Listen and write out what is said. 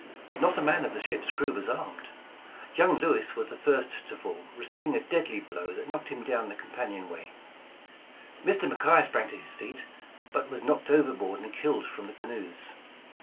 Not a man of the ship's crew was armed. Young Lewis was the first to fall, receiving a deadly blow that knocked him down the companionway. Mr. McKay sprang to his feet, but was knocked over board and killed from the canoes.